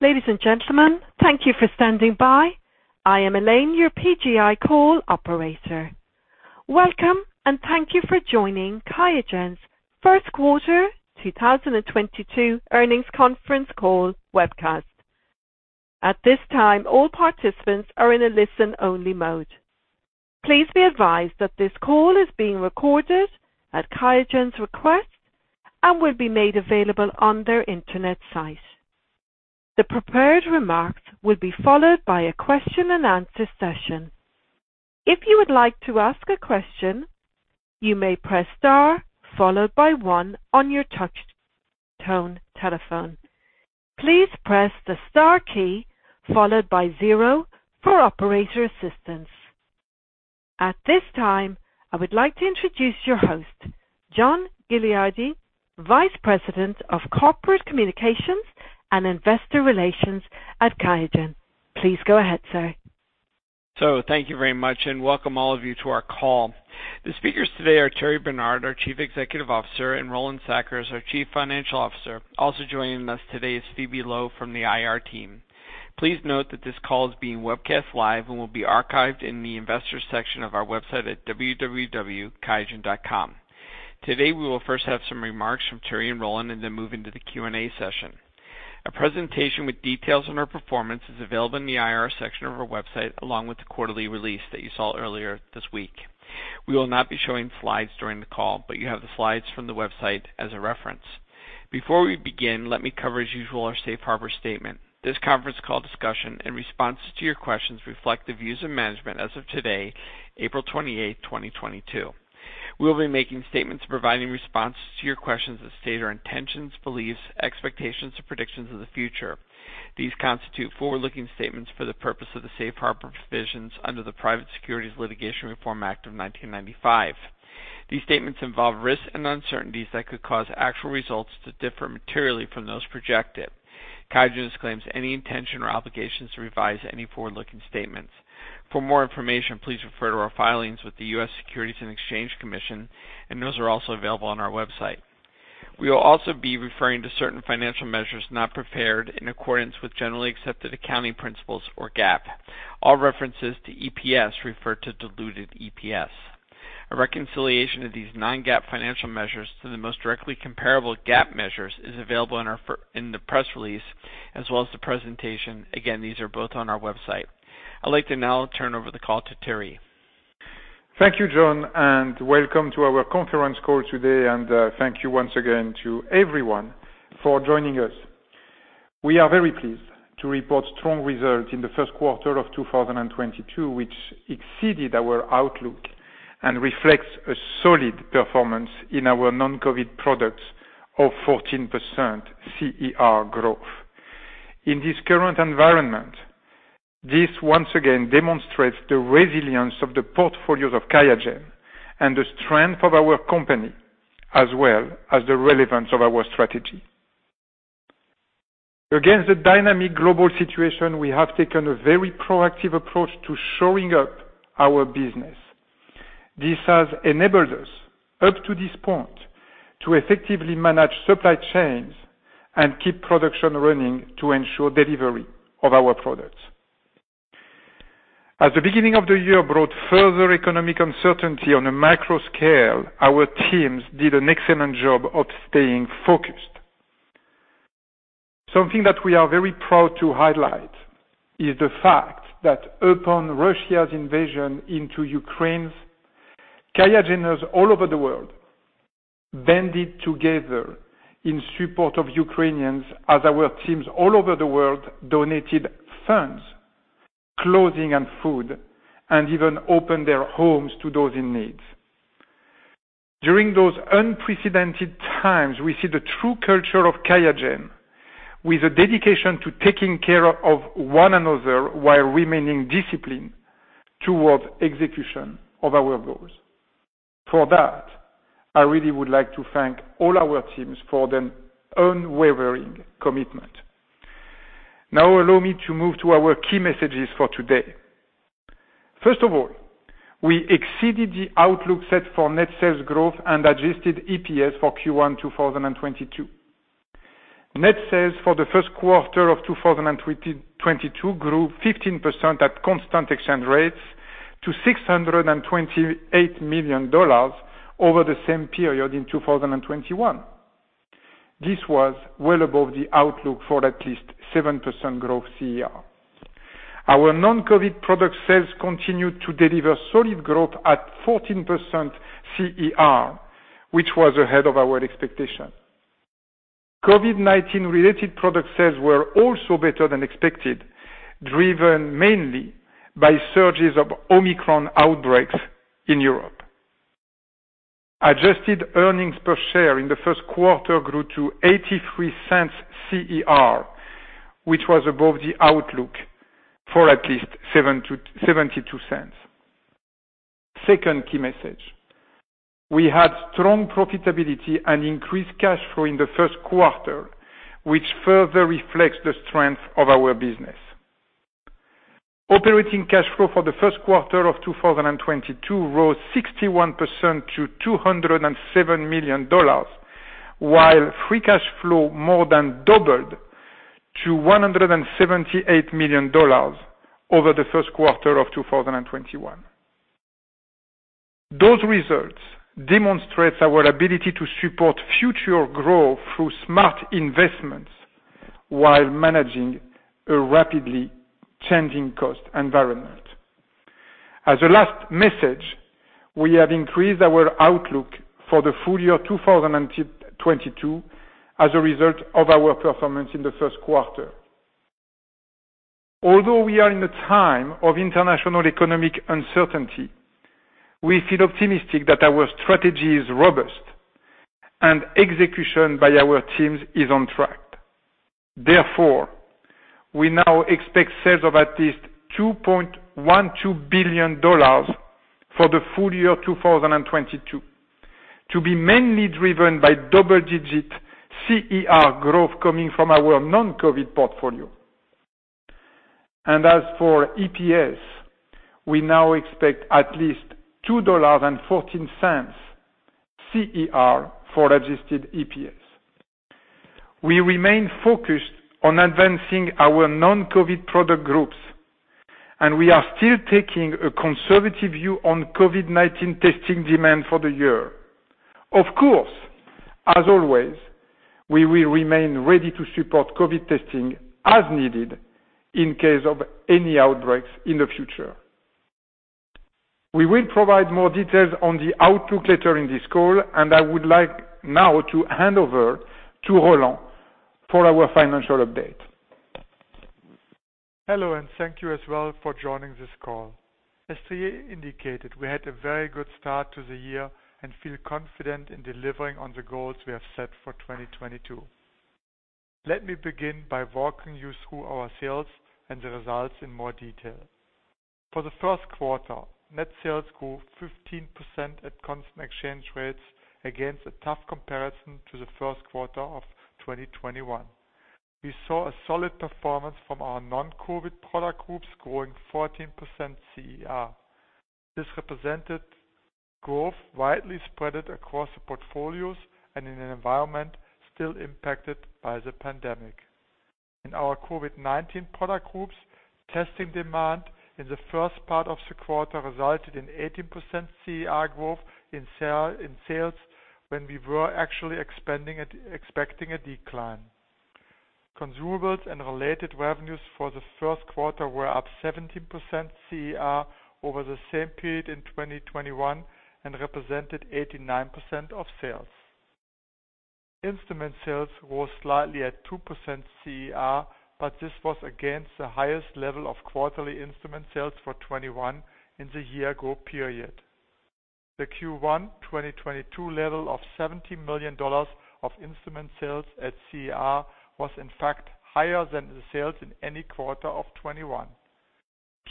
Ladies and gentlemen, thank you for standing by. I am Elaine, your PGI call operator. Welcome and thank you for joining QIAGEN's first quarter 2022 earnings conference call webcast. At this time, all participants are in a listen-only mode. Please be advised that this call is being recorded at QIAGEN's request and will be made available on their Internet site. The prepared remarks will be followed by a question-and-answer session. If you would like to ask a question, you may press star followed by one on your touch tone telephone. Please press the star key followed by zero for operator assistance. At this time, I would like to introduce your host, John Gilardi, Vice President of Corporate Communications and Investor Relations at QIAGEN. Please go ahead, sir. Thank you very much and welcome all of you to our call. The speakers today are Thierry Bernard, our Chief Executive Officer, and Roland Sackers, our Chief Financial Officer. Also joining us today is Phoebe Loh from the IR team. Please note that this call is being webcast live and will be archived in the investor section of our website at www.qiagen.com. Today, we will first have some remarks from Thierry and Roland and then move into the Q&A session. A presentation with details on our performance is available in the IR section of our website, along with the quarterly release that you saw earlier this week. We will not be showing slides during the call, but you have the slides from the website as a reference. Before we begin, let me cover as usual our safe harbor statement. This conference call discussion and responses to your questions reflect the views of management as of today, April 28, 2022. We'll be making statements providing responses to your questions that state our intentions, beliefs, expectations, and predictions of the future. These constitute forward-looking statements for the purpose of the safe harbor provisions under the Private Securities Litigation Reform Act of 1995. These statements involve risks and uncertainties that could cause actual results to differ materially from those projected. QIAGEN disclaims any intention or obligations to revise any forward-looking statements. For more information, please refer to our filings with the U.S. Securities and Exchange Commission, and those are also available on our website. We will also be referring to certain financial measures not prepared in accordance with generally accepted accounting principles or GAAP. All references to EPS refer to diluted EPS. A reconciliation of these non-GAAP financial measures to the most directly comparable GAAP measures is available in the press release as well as the presentation. Again, these are both on our website. I'd like to now turn over the call to Thierry. Thank you, John, and welcome to our conference call today, and, thank you once again to everyone for joining us. We are very pleased to report strong results in the first quarter of 2022, which exceeded our outlook and reflects a solid performance in our non-COVID products of 14% CER growth. In this current environment, this once again demonstrates the resilience of the portfolios of QIAGEN and the strength of our company as well as the relevance of our strategy. Against the dynamic global situation, we have taken a very proactive approach to shoring up our business. This has enabled us up to this point to effectively manage supply chains and keep production running to ensure delivery of our products. As the beginning of the year brought further economic uncertainty on a macro scale, our teams did an excellent job of staying focused. Something that we are very proud to highlight is the fact that upon Russia's invasion into Ukraine, QIAGENers all over the world banded together in support of Ukrainians as our teams all over the world donated funds, clothing, and food, and even opened their homes to those in need. During those unprecedented times, we see the true culture of QIAGEN with a dedication to taking care of one another while remaining disciplined towards execution of our goals. For that, I really would like to thank all our teams for their unwavering commitment. Now allow me to move to our key messages for today. First of all, we exceeded the outlook set for net sales growth and adjusted EPS for Q1 2022. Net sales for the first quarter of 2022 grew 15% at constant exchange rates to $628 million over the same period in 2021. This was well above the outlook for at least 7% growth CER. Our non-COVID product sales continued to deliver solid growth at 14% CER, which was ahead of our expectation. COVID-19 related product sales were also better than expected, driven mainly by surges of Omicron outbreaks in Europe. Adjusted earnings per share in the first quarter grew to $0.83 CER, which was above the outlook for at least $0.72. Second key message. We had strong profitability and increased cash flow in the first quarter, which further reflects the strength of our business. Operating cash flow for the first quarter of 2022 rose 61% to $207 million, while free cash flow more than doubled to $178 million over the first quarter of 2021. Those results demonstrate our ability to support future growth through smart investments while managing a rapidly changing cost environment. As a last message, we have increased our outlook for the full year 2022 as a result of our performance in the first quarter. Although we are in a time of international economic uncertainty, we feel optimistic that our strategy is robust and execution by our teams is on track. Therefore, we now expect sales of at least $2.12 billion for the full year 2022 to be mainly driven by double-digit CER growth coming from our non-COVID portfolio. As for EPS, we now expect at least $2.14 CER for adjusted EPS. We remain focused on advancing our non-COVID product groups, and we are still taking a conservative view on COVID-19 testing demand for the year. Of course, as always, we will remain ready to support COVID testing as needed in case of any outbreaks in the future. We will provide more details on the outlook later in this call, and I would like now to hand over to Roland for our financial update. Hello, and thank you as well for joining this call. As Thierry indicated, we had a very good start to the year and feel confident in delivering on the goals we have set for 2022. Let me begin by walking you through our sales and the results in more detail. For the first quarter, net sales grew 15% at constant exchange rates against a tough comparison to the first quarter of 2021. We saw a solid performance from our non-COVID product groups, growing 14% CER. This represented growth widely spread across the portfolios and in an environment still impacted by the pandemic. In our COVID-19 product groups, testing demand in the first part of the quarter resulted in 18% CER growth in sales when we were actually expecting a decline. Consumables and related revenues for the first quarter were up 17% CER over the same period in 2021 and represented 89% of sales. Instrument sales rose slightly at 2% CER, but this was against the highest level of quarterly instrument sales for 2021 in the year ago period. The Q1 2022 level of $70 million of instrument sales at CER was in fact higher than the sales in any quarter of 2021.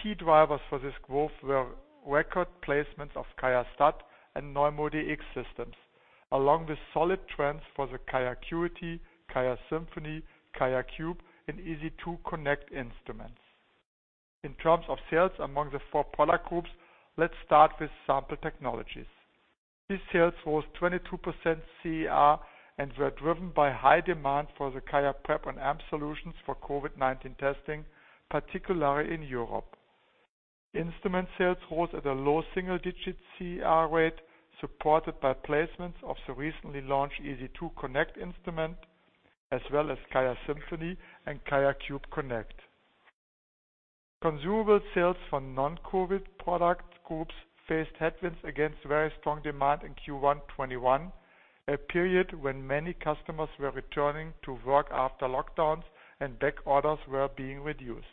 Key drivers for this growth were record placements of QIAstat and NeuMoDx systems, along with solid trends for the QIAcuity, QIAsymphony, QIAcube, and EZ2 Connect instruments. In terms of sales among the four product groups, let's start with sample technologies. These sales rose 22% CER and were driven by high demand for the QIAprep&Amp solutions for COVID-19 testing, particularly in Europe. Instrument sales rose at a low single-digit CER rate, supported by placements of the recently launched EZ2 Connect instrument, as well as QIAsymphony and QIAcube Connect. Consumable sales for non-COVID product groups faced headwinds against very strong demand in Q1 2021, a period when many customers were returning to work after lockdowns and back orders were being reduced.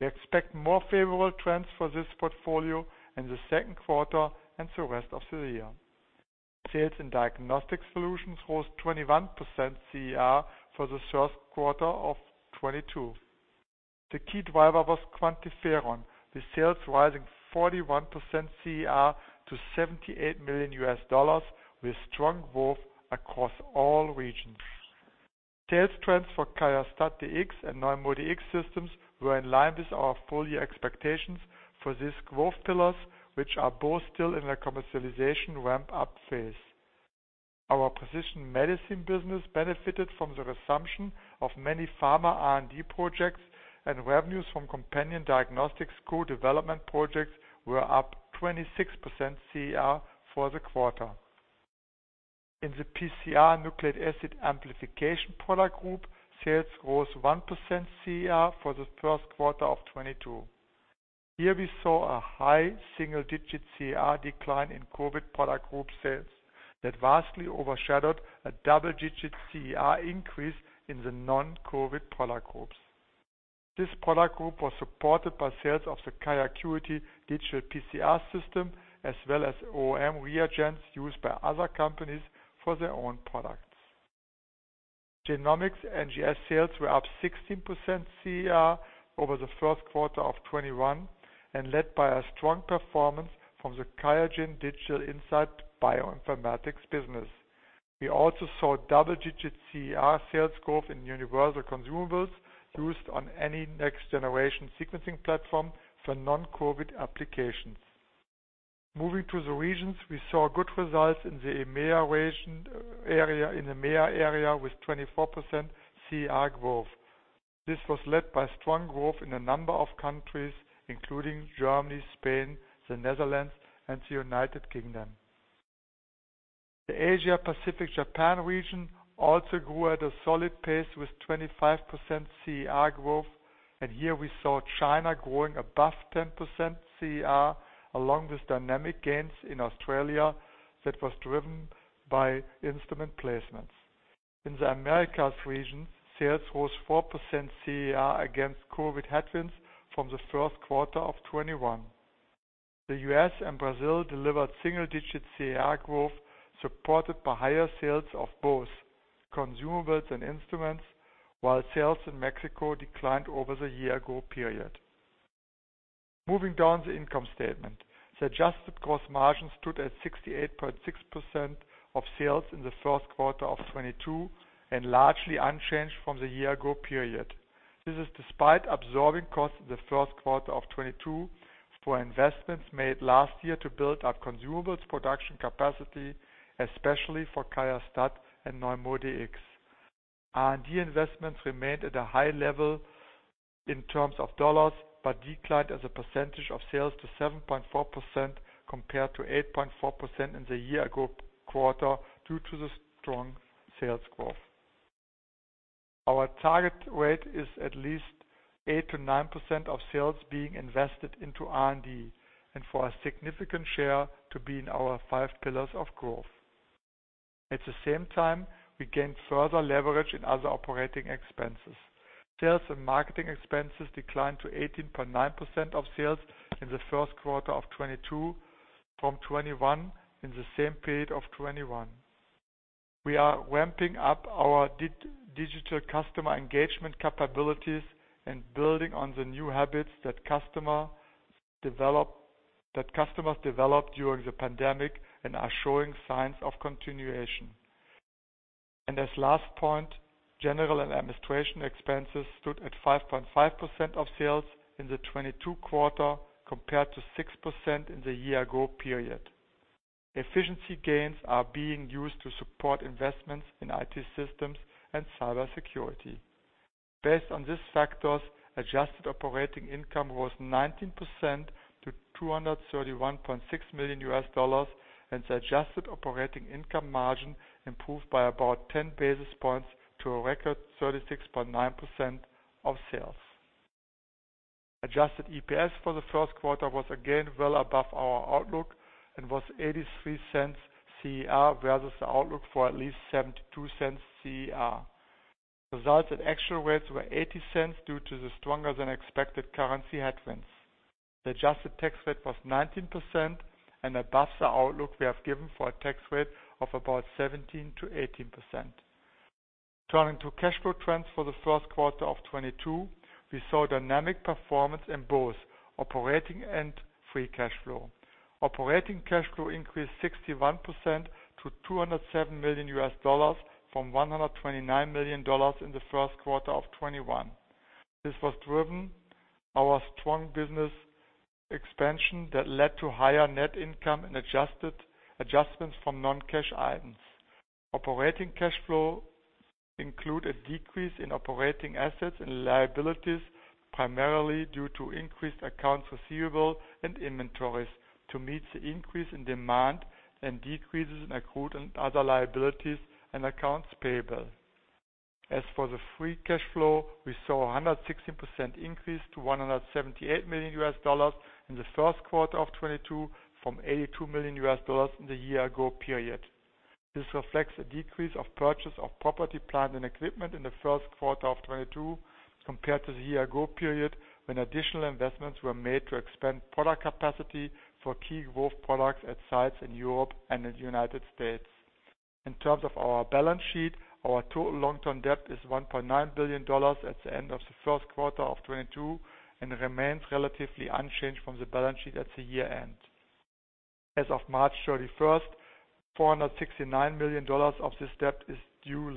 We expect more favorable trends for this portfolio in the second quarter and the rest of the year. Sales in diagnostic solutions rose 21% CER for the first quarter of 2022. The key driver was QuantiFERON, with sales rising 41% CER to $78 million, with strong growth across all regions. Sales trends for QIAstat-Dx and NeuMoDx systems were in line with our full year expectations for these growth pillars, which are both still in a commercialization ramp-up phase. Our precision medicine business benefited from the resumption of many pharma R&D projects and revenues from companion diagnostics co-development projects were up 26% CER for the quarter. In the PCR nucleic acid amplification product group, sales rose 1% CER for the first quarter of 2022. Here, we saw a high single-digit CER decline in COVID product group sales that vastly overshadowed a double-digit CER increase in the non-COVID product groups. This product group was supported by sales of the QIAcuity Digital PCR system, as well as OEM reagents used by other companies for their own products. Genomics NGS sales were up 16% CER over the first quarter of 2021 and led by a strong performance from the QIAGEN Digital Insights bioinformatics business. We also saw double-digit CER sales growth in universal consumables used on any next generation sequencing platform for non-COVID applications. Moving to the regions, we saw good results in the EMEA region area, in the EMEA area with 24% CER growth. This was led by strong growth in a number of countries, including Germany, Spain, the Netherlands, and the United Kingdom. The Asia Pacific Japan region also grew at a solid pace with 25% CER growth, and here we saw China growing above 10% CER, along with dynamic gains in Australia that was driven by instrument placements. In the Americas region, sales rose 4% CER against COVID headwinds from the first quarter of 2021. The U.S. and Brazil delivered single-digit CER growth, supported by higher sales of both consumables and instruments, while sales in Mexico declined over the year-ago period. Moving down the income statement, the adjusted gross margin stood at 68.6% of sales in the first quarter of 2022 and largely unchanged from the year-ago period. This is despite absorbing costs in the first quarter of 2022 for investments made last year to build up consumables production capacity, especially for QIAstat and NeuMoDx. R&D investments remained at a high level in terms of dollars, but declined as a percentage of sales to 7.4% compared to 8.4% in the year-ago quarter due to the strong sales growth. Our target rate is at least 8%-9% of sales being invested into R&D and for a significant share to be in our five pillars of growth. At the same time, we gained further leverage in other operating expenses. Sales and marketing expenses declined to 18.9% of sales in the first quarter of 2022 from 21% in the same period of 2021. We are ramping up our digital customer engagement capabilities and building on the new habits that customers developed during the pandemic and are showing signs of continuation. As last point, general and administration expenses stood at 5.5% of sales in the 2022 quarter compared to 6% in the year-ago period. Efficiency gains are being used to support investments in IT systems and cybersecurity. Based on these factors, adjusted operating income rose 19% to $231.6 million, and the adjusted operating income margin improved by about 10 basis points to a record 36.9% of sales. Adjusted EPS for the first quarter was again well above our outlook and was $0.83 CER versus the outlook for at least $0.72 CER. Results at actual rates were $0.80 due to the stronger than expected currency headwinds. The adjusted tax rate was 19% and above the outlook we have given for a tax rate of about 17%-18%. Turning to cash flow trends for the first quarter of 2022, we saw dynamic performance in both operating and free cash flow. Operating cash flow increased 61% to $207 million from $129 million in the first quarter of 2021. This was driven by our strong business expansion that led to higher net income and adjustments from non-cash items. Operating cash flow include a decrease in operating assets and liabilities, primarily due to increased accounts receivable and inventories to meet the increase in demand and decreases in accrued and other liabilities and accounts payable. As for the free cash flow, we saw a 116% increase to $178 million in the first quarter of 2022 from $82 million in the year ago period. This reflects a decrease of purchase of property, plant, and equipment in the first quarter of 2022 compared to the year ago period when additional investments were made to expand product capacity for key growth products at sites in Europe and in the United States. In terms of our balance sheet, our total long-term debt is $1.9 billion at the end of the first quarter of 2022 and remains relatively unchanged from the balance sheet at the year-end. As of March 31st, $469 million of this debt is due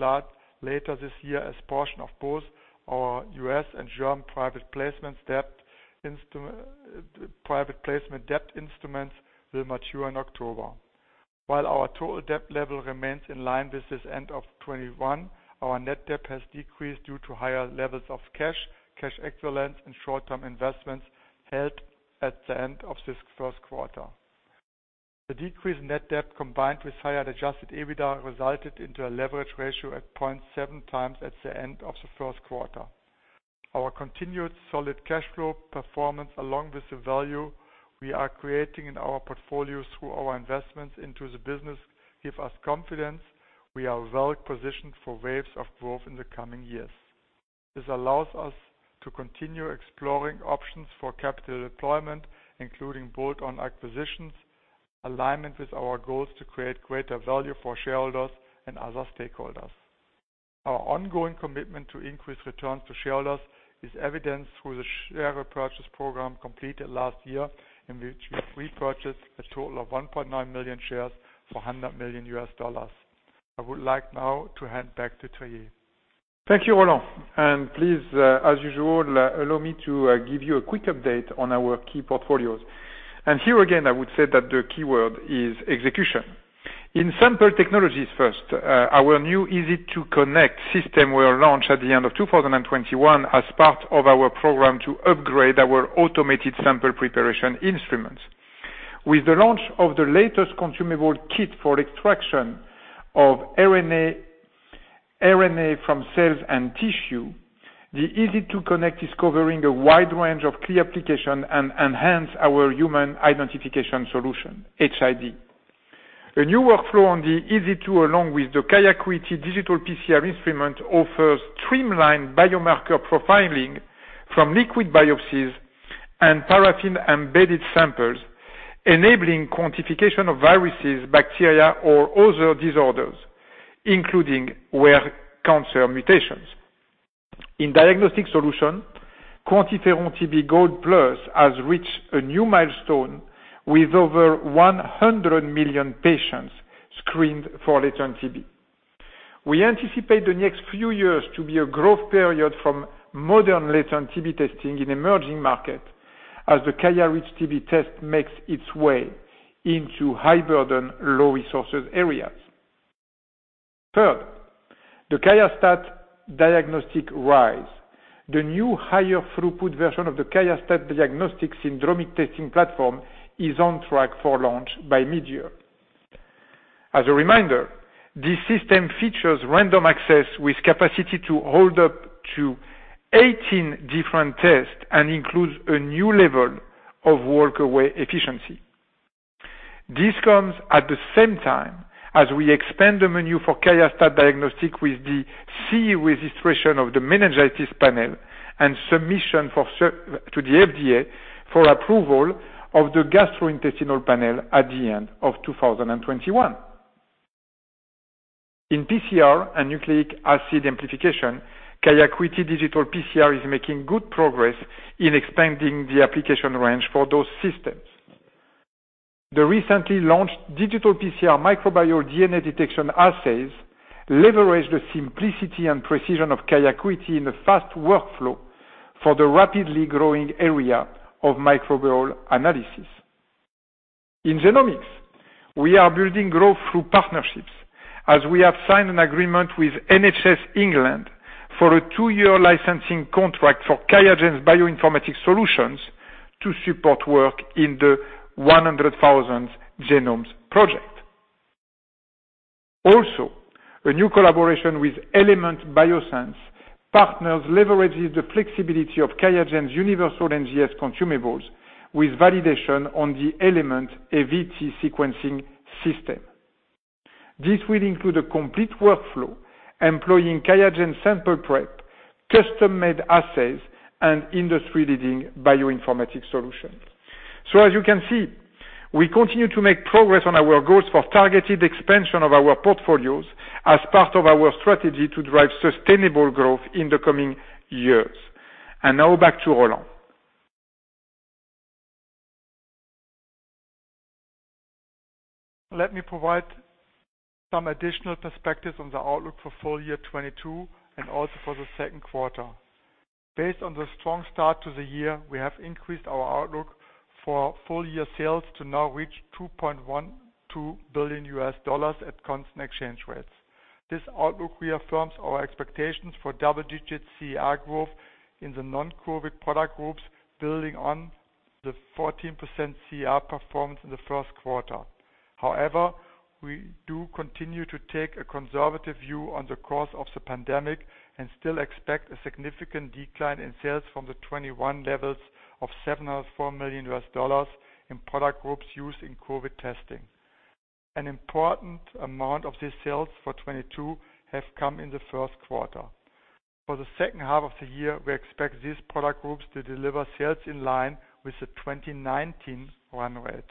later this year as portion of both our U.S. and German private placement debt instruments will mature in October. While our total debt level remains in line with this end of 2021, our net debt has decreased due to higher levels of cash equivalents, and short-term investments held at the end of this first quarter. The decreased net debt, combined with higher Adjusted EBITDA, resulted into a leverage ratio at 0.7 times at the end of the first quarter. Our continued solid cash flow performance, along with the value we are creating in our portfolio through our investments into the business, give us confidence we are well positioned for waves of growth in the coming years. This allows us to continue exploring options for capital deployment, including bolt-on acquisitions, alignment with our goals to create greater value for shareholders and other stakeholders. Our ongoing commitment to increase returns to shareholders is evidenced through the share repurchase program completed last year, in which we repurchased a total of 1.9 million shares for $100 million. I would like now to hand back to Thierry. Thank you, Roland. Please, as usual, allow me to give you a quick update on our key portfolios. Here again, I would say that the key word is execution. In sample technologies first, our new EZ2 Connect system will launch at the end of 2021 as part of our program to upgrade our automated sample preparation instruments. With the launch of the latest consumable kit for extraction of RNA from cells and tissue, the EZ2 Connect is covering a wide range of key applications and enhances our human identification solution, HID. A new workflow on the EZ2, along with the QIAcuity digital PCR instrument, offers streamlined biomarker profiling from liquid biopsies and paraffin-embedded samples, enabling quantification of viruses, bacteria or other disorders, including cancer mutations. In diagnostic solution, QuantiFERON-TB Gold Plus has reached a new milestone with over 100 million patients screened for latent TB. We anticipate the next few years to be a growth period from modern latent TB testing in emerging markets as the QIAreach QuantiFERON-TB test makes its way into high-burden, low-resource areas. Third, the QIAstat-Dx Rise. The new higher-throughput version of the QIAstat-Dx syndromic testing platform is on track for launch by midyear. As a reminder, this system features random access with capacity to hold up to 18 different tests and includes a new level of walk-away efficiency. This comes at the same time as we expand the menu for QIAstat-Dx with the CE registration of the meningitis panel and 510(k) submission to the FDA for approval of the gastrointestinal panel at the end of 2021. In PCR and nucleic acid amplification, QIAcuity digital PCR is making good progress in expanding the application range for those systems. The recently launched digital PCR microbial DNA detection assays leverage the simplicity and precision of QIAcuity in a fast workflow for the rapidly growing area of microbial analysis. In genomics, we are building growth through partnerships as we have signed an agreement with NHS England for a two-year licensing contract for QIAGEN's bioinformatics solutions to support work in the 100,000 Genomes Project. Also, a new collaboration with Element Biosciences leverages the flexibility of QIAGEN's universal NGS consumables with validation on the Element AVITI sequencing system. This will include a complete workflow employing QIAGEN sample prep, custom-made assays, and industry-leading bioinformatics solutions. As you can see, we continue to make progress on our goals for targeted expansion of our portfolios as part of our strategy to drive sustainable growth in the coming years. Now back to Roland. Let me provide some additional perspectives on the outlook for full year 2022 and also for the second quarter. Based on the strong start to the year, we have increased our outlook for full year sales to now reach $2.12 billion at constant exchange rates. This outlook reaffirms our expectations for double-digit CER growth in the non-COVID product groups, building on the 14% CER performance in the first quarter. However, we do continue to take a conservative view on the course of the pandemic and still expect a significant decline in sales from the 2021 levels of $704 million in product groups used in COVID testing. An important amount of these sales for 2022 have come in the first quarter. For the second half of the year, we expect these product groups to deliver sales in line with the 2019 run rate.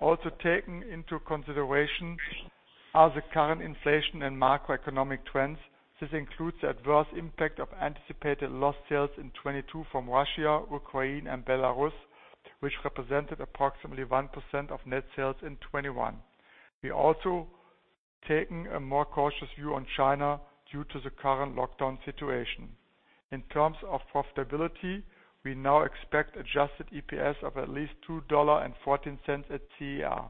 Also taken into consideration are the current inflation and macroeconomic trends. This includes the adverse impact of anticipated lost sales in 2022 from Russia, Ukraine, and Belarus, which represented approximately 1% of net sales in 2021. We're also taking a more cautious view on China due to the current lockdown situation. In terms of profitability, we now expect adjusted EPS of at least $2.14 at CER.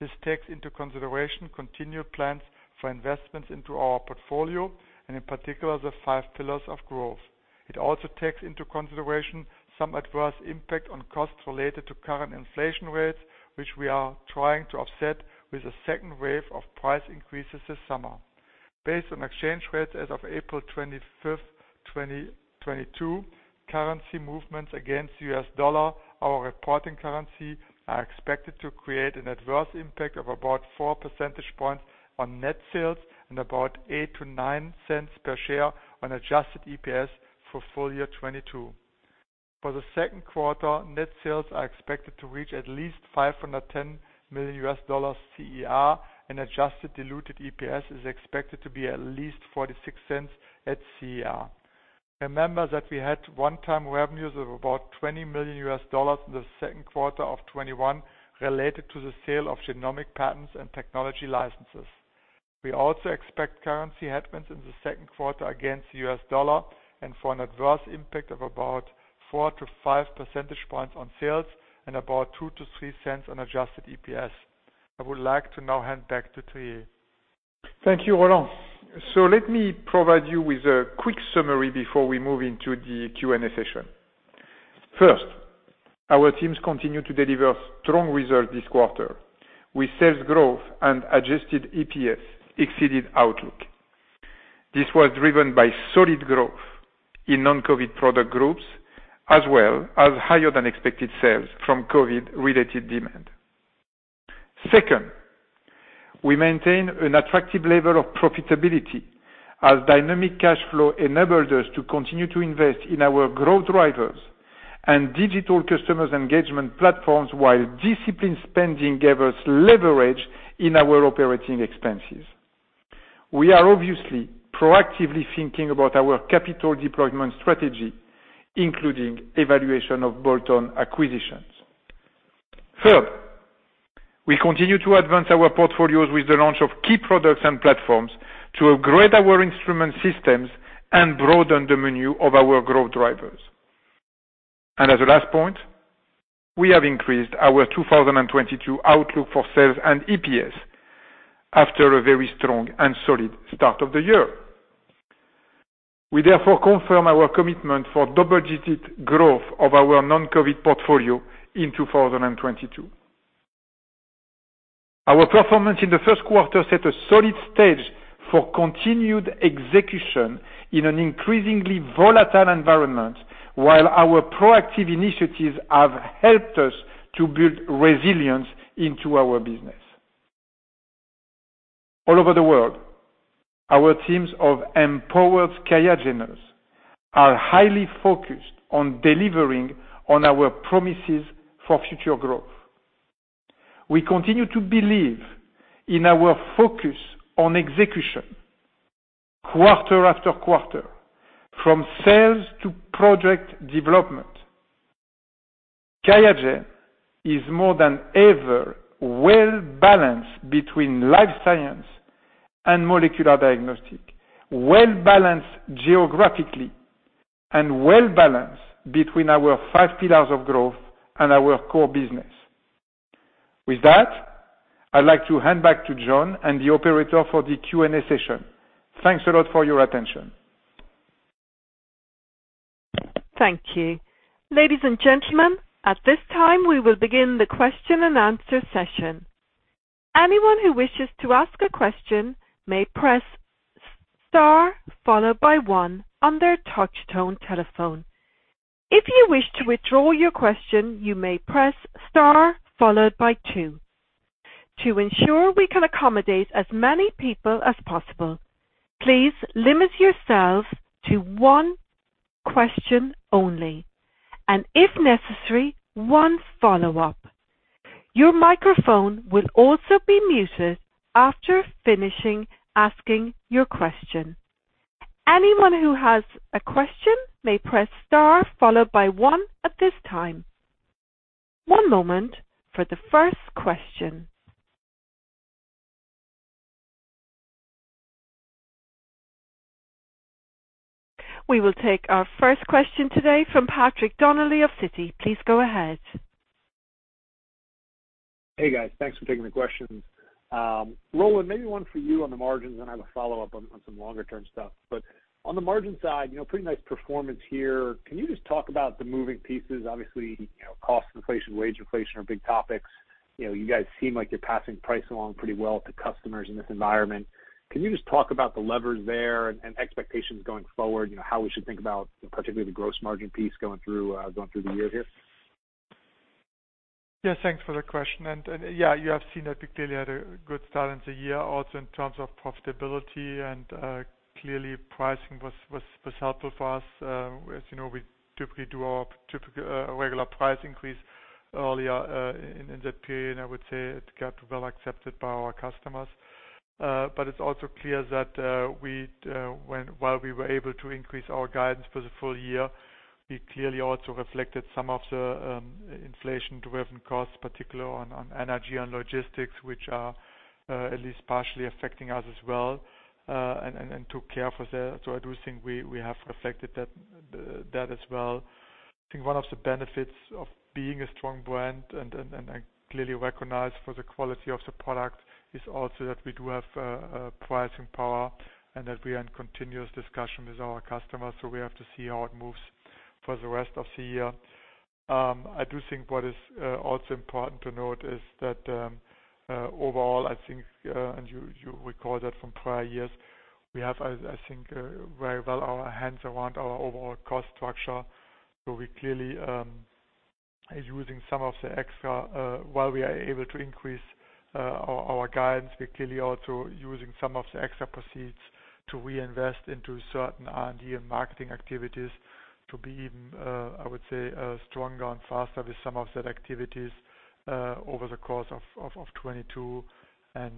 This takes into consideration continued plans for investments into our portfolio, and in particular, the five pillars of growth. It also takes into consideration some adverse impact on costs related to current inflation rates, which we are trying to offset with a second wave of price increases this summer. Based on exchange rates as of April 25th, 2022, currency movements against U.S... Dollar, our reporting currency, are expected to create an adverse impact of about 4 percentage points on net sales and about $0.08-$0.09 per share on adjusted EPS for full year 2022. For the second quarter, net sales are expected to reach at least $510 million CER, and adjusted diluted EPS is expected to be at least $0.46 at CER. Remember that we had one-time revenues of about $20 million in the second quarter of 2021 related to the sale of genomic patents and technology licenses. We also expect currency headwinds in the second quarter against the U.S. dollar and for an adverse impact of about 4 percentage points-5 percentage points on sales and about $0.02-$0.03 on adjusted EPS. I would like to now hand back to Thierry. Thank you, Roland. Let me provide you with a quick summary before we move into the Q&A session. First, our teams continue to deliver strong results this quarter, with sales growth and adjusted EPS exceeding outlook. This was driven by solid growth in non-COVID product groups as well as higher than expected sales from COVID-related demand. Second, we maintain an attractive level of profitability as dynamic cash flow enabled us to continue to invest in our growth drivers and digital customers engagement platforms, while disciplined spending gave us leverage in our operating expenses. We are obviously proactively thinking about our capital deployment strategy, including evaluation of bolt-on acquisitions. Third, we continue to advance our portfolios with the launch of key products and platforms to upgrade our instrument systems and broaden the menu of our growth drivers. As a last point, we have increased our 2022 outlook for sales and EPS after a very strong and solid start of the year. We therefore confirm our commitment for double-digit growth of our non-COVID portfolio in 2022. Our performance in the first quarter set a solid stage for continued execution in an increasingly volatile environment, while our proactive initiatives have helped us to build resilience into our business. All over the world, our teams of empowered QIAGENers are highly focused on delivering on our promises for future growth. We continue to believe in our focus on execution quarter-after-quarter, from sales to project development. QIAGEN is more than ever well balanced between life science and molecular diagnostic, well balanced geographically and well balanced between our five pillars of growth and our core business. With that, I'd like to hand back to John and the operator for the Q&A session. Thanks a lot for your attention. Thank you. Ladies and gentlemen, at this time we will begin the question-and-answer session. Anyone who wishes to ask a question may press star followed by one on their touch tone telephone. If you wish to withdraw your question, you may press star followed by two. To ensure we can accommodate as many people as possible, please limit yourselves to one question only and if necessary, one follow-up. Your microphone will also be muted after finishing asking your question. Anyone who has a question may press star followed by one at this time. One moment for the first question. We will take our first question today from Patrick Donnelly of Citi. Please go ahead. Hey, guys. Thanks for taking the questions. Roland, maybe one for you on the margins, then I have a follow up on some longer term stuff. On the margin side, pretty nice performance here. Can you just talk about the moving pieces? Obviously, cost inflation, wage inflation are big topics. You guys seem like you're passing price along pretty well to customers in this environment. Can you just talk about the levers there and expectations going forward? How we should think about particularly the gross margin piece going through the year here? Yes, thanks for the question. Yeah, you have seen that we clearly had a good start into year also in terms of profitability. Clearly pricing was helpful for us. As you know, we typically do our regular price increase early in that period. I would say it got well accepted by our customers. But it's also clear that we, while we were able to increase our guidance for the full year, we clearly also reflected some of the inflation driven costs, particularly on energy and logistics, which are at least partially affecting us as well and took care for that. So I do think we have reflected that as well. I think one of the benefits of being a strong brand and clearly recognized for the quality of the product is also that we do have pricing power and that we are in continuous discussion with our customers. We have to see how it moves for the rest of the year. I do think what is also important to note is that overall, I think, and you recall that from prior years, we have, I think, very well our hands around our overall cost structure. We clearly Using some of the extra, while we are able to increase our guidance, we clearly also using some of the extra proceeds to reinvest into certain R&D and marketing activities to be even, I would say, stronger and faster with some of that activities over the course of 2022. I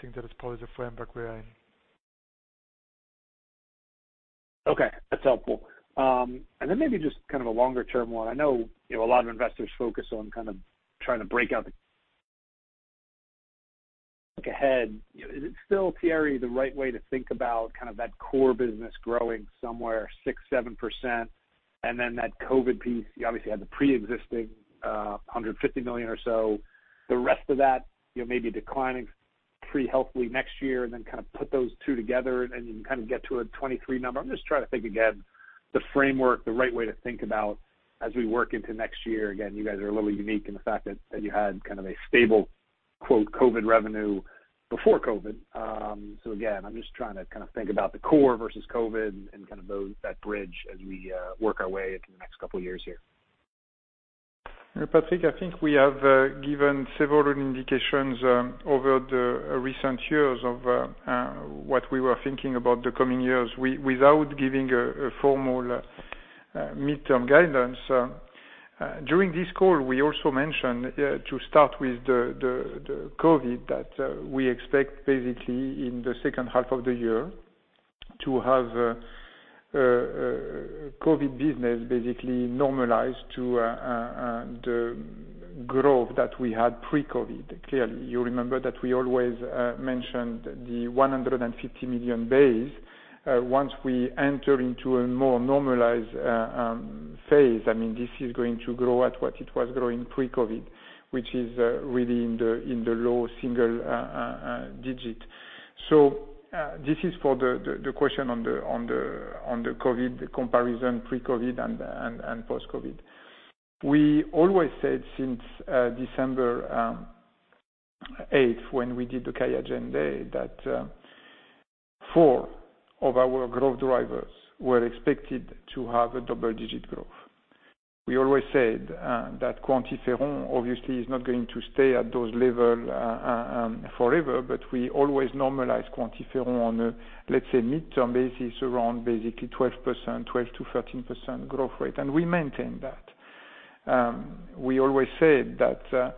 think that is probably the framework we are in. Okay. That's helpful. Maybe just kind of a longer-term one. I know, you know, a lot of investors focus on kind of trying to break out the look ahead, you know, is it still, Thierry, the right way to think about kind of that core business growing somewhere 6%-7%, and then that COVID piece, you obviously had the pre-existing $150 million or so. The rest of that, you know, maybe declining pretty healthily next year, and then kind of put those two together, and then you can kind of get to a 2023 number. I'm just trying to think again, the framework, the right way to think about as we work into next year. You guys are a little unique in the fact that you had kind of a stable, quote, COVID revenue before COVID. Again, I'm just trying to kind of think about the core versus COVID and kind of that bridge as we work our way into the next couple of years here. Patrick, I think we have given several indications over the recent years of what we were thinking about the coming years without giving a formal midterm guidance. During this call, we also mentioned to start with the COVID that we expect basically in the second half of the year to have COVID business basically normalized to the growth that we had pre-COVID. Clearly, you remember that we always mentioned the $150 million base. Once we enter into a more normalized phase, I mean, this is going to grow at what it was growing pre-COVID, which is really in the low single digit. This is for the question on the COVID comparison, pre-COVID and post-COVID. We always said since December eighth, when we did the QIAGEN Day, that four of our growth drivers were expected to have double-digit growth. We always said that QuantiFERON obviously is not going to stay at those level forever, but we always normalize QuantiFERON on a, let's say, midterm basis around basically 12%, 12%-13% growth rate. We maintain that. We always said that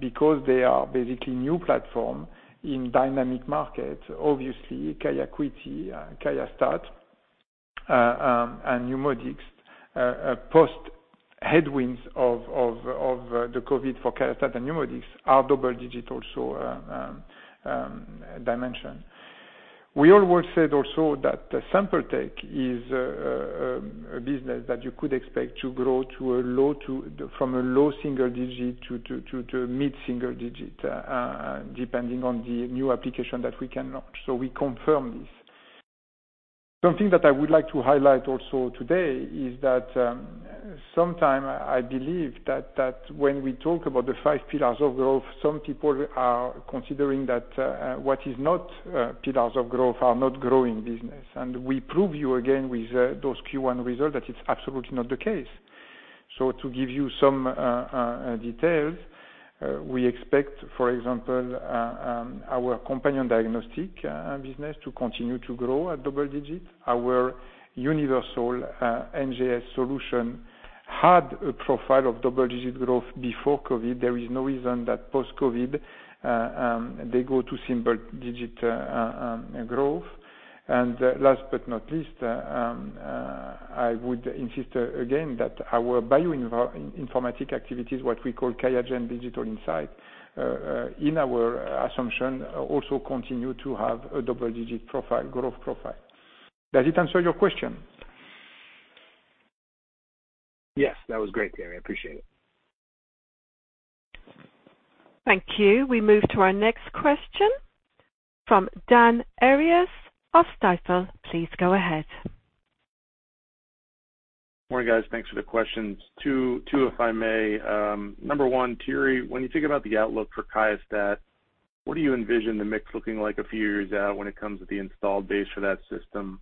because they are basically new platform in dynamic markets, obviously, QIAcuity, QIAstat, and NeuMoDx post headwinds of the COVID for QIAstat and NeuMoDx are double-digit also, dimension. We always said also that Sample Technologies is a business that you could expect to grow from a low single-digit to mid-single-digit, depending on the new application that we can launch. We confirm this. Something that I would like to highlight also today is that sometimes I believe that when we talk about the five pillars of growth, some people are considering that what is not pillars of growth are not growing business. We prove to you again with those Q1 results that it's absolutely not the case. To give you some details, we expect, for example, our companion diagnostic business to continue to grow at double-digit. Our universal NGS solution had a profile of double-digit growth before COVID. There is no reason that post-COVID, they go to single-digit growth. Last but not least, I would insist again that our bioinformatics activities, what we call QIAGEN Digital Insights, in our assumption, also continue to have a double-digit profile, growth profile. Does it answer your question? Yes. That was great, Thierry. I appreciate it. Thank you. We move to our next question from Dan Arias of Stifel. Please go ahead. Morning, guys. Thanks for the questions. Two, if I may. Number one, Thierry, when you think about the outlook for QIAstat, what do you envision the mix looking like a few years out when it comes to the installed base for that system?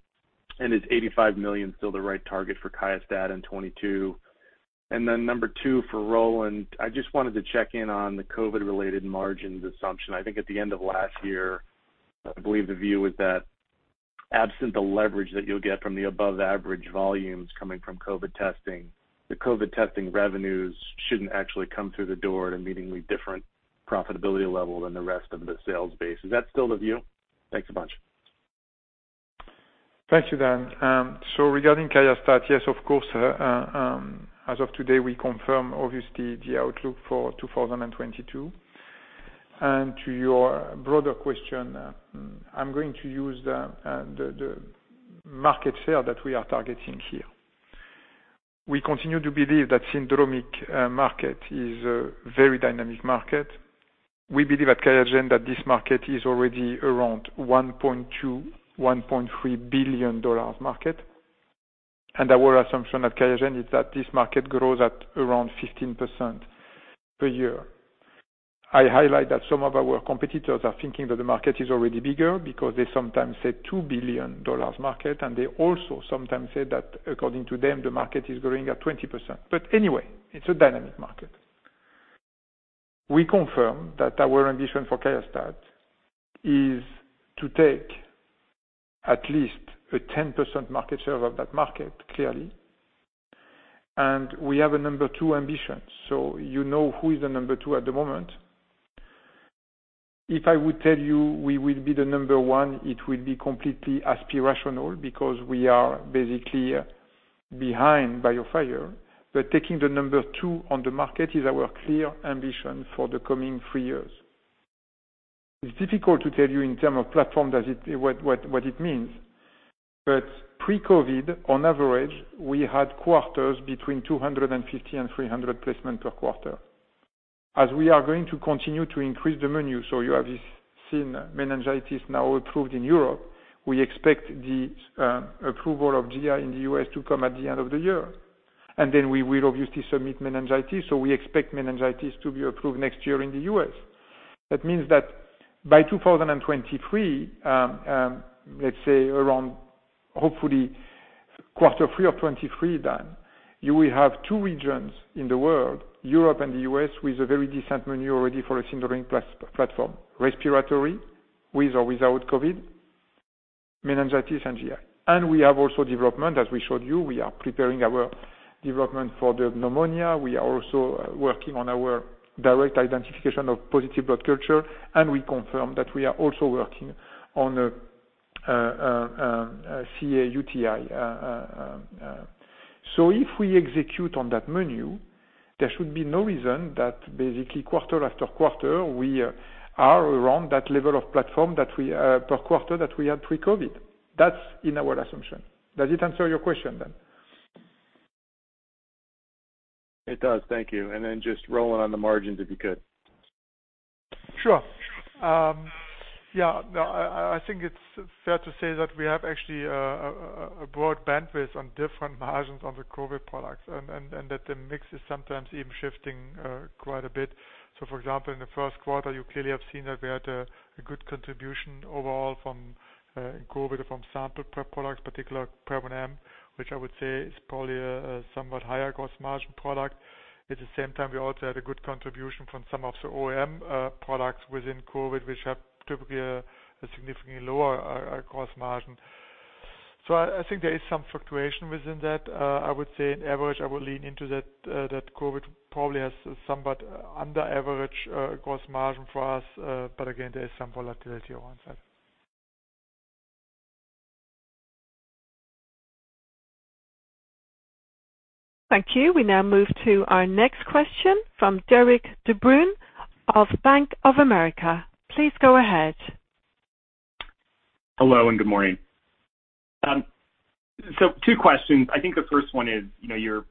And is $85 million still the right target for QIAstat in 2022? And then number two for Roland, I just wanted to check in on the COVID-related margins assumption. I think at the end of last year, I believe the view was that absent the leverage that you'll get from the above average volumes coming from COVID testing, the COVID testing revenues shouldn't actually come through the door at a meaningfully different profitability level than the rest of the sales base. Is that still the view? Thanks a bunch. Thank you, Dan. Regarding QIAstat, yes, of course, as of today, we confirm obviously the outlook for 2022. To your broader question, I'm going to use the market share that we are targeting here. We continue to believe that syndromic market is a very dynamic market. We believe at QIAGEN that this market is already around $1.2 billion-$1.3 billion market. Our assumption at QIAGEN is that this market grows at around 15% per year. I highlight that some of our competitors are thinking that the market is already bigger because they sometimes say $2 billion market, and they also sometimes say that according to them, the market is growing at 20%. Anyway, it's a dynamic market. We confirm that our ambition for QIAstat is to take at least a 10% market share of that market, clearly. We have a number two ambition. You know who is the number two at the moment. If I would tell you we will be the number one, it will be completely aspirational because we are basically behind BioFire. Taking the number two on the market is our clear ambition for the coming three years. It's difficult to tell you in terms of platform, what it means. pre-COVID on average, we had quarters between 250 and 300 placements per quarter. We are going to continue to increase the menu, so you have just seen meningitis now approved in Europe. We expect the approval of GI in the U.S. to come at the end of the year. Then we will obviously submit meningitis, so we expect meningitis to be approved next year in the U.S.. That means that by 2023, let's say around hopefully quarter three of 2023, you will have two regions in the world, Europe and the U.S., with a very decent menu already for a syndromic platform, respiratory with or without COVID, meningitis, and GI. We have also development, as we showed you, we are preparing our development for the pneumonia. We are also working on our direct identification of positive blood culture, and we confirm that we are also working on a CA-UTI. If we execute on that menu, there should be no reason that basically quarter after quarter, we are around that level of platform that we per quarter that we had pre-COVID. That's in our assumption. Does it answer your question then? It does. Thank you. Just rolling on the margins, if you could. Sure. Yeah, no, I think it's fair to say that we have actually a broad bandwidth on different margins on the COVID products and that the mix is sometimes even shifting quite a bit. For example, in the first quarter, you clearly have seen that we had a good contribution overall from COVID from sample products, particular QIAprep&Amp, which I would say is probably a somewhat higher gross margin product. At the same time, we also had a good contribution from some of the OEM products within COVID, which have typically a significantly lower gross margin. I think there is some fluctuation within that. I would say on average, I would lean into that COVID probably has somewhat under average gross margin for us. Again, there is some volatility around that. Thank you. We now move to our next question from Derik De Bruin of Bank of America. Please go ahead. Hello, and good morning. Two questions. I think the first one is, you know, your